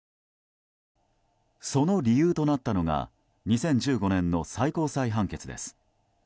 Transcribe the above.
その理由となったのが２０１５年の最高裁判決です。